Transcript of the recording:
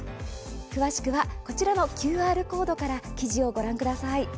詳しくはこちらのＱＲコードから記事をご覧ください。